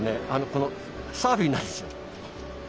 このサーフィンなんですよ。